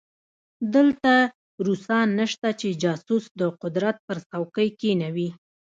دلته روسان نشته چې جاسوس د قدرت پر څوکۍ کېنوي.